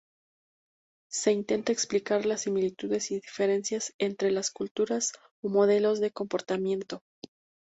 Se intenta explicar las similitudes y diferencias entre las culturas o modelos de comportamiento.